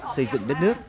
xây dựng đất nước